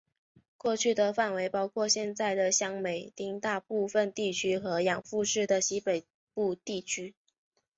过去的范围包括现在的香美町大部分地区和养父市的西北部地区。